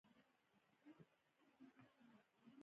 زه د چاپېریال پاک ساتلو ته پام کوم.